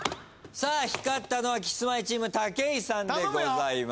光ったのはキスマイチーム武井さんでございます。